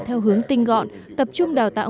theo hướng tinh gọn tập trung đào tạo